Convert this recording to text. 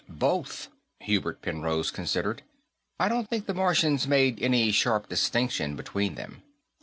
"Both." Hubert Penrose considered. "I don't think the Martians made any sharp distinction between them.